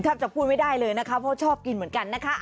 จะพูดไม่ได้เลยนะคะเพราะชอบกินเหมือนกันนะคะ